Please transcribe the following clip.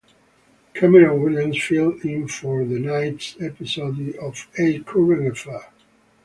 Cameron Williams filled in for that night's episode of "A Current Affair".